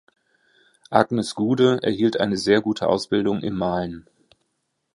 Agnes Gude erhielt eine sehr gute Ausbildung im Malen.